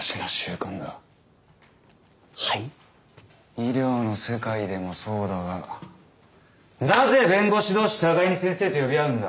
医療の世界でもそうだがなぜ弁護士同士互いに先生と呼び合うんだ？